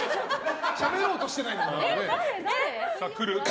しゃべろうとしてないんだから。